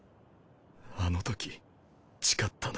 あのとき誓ったの。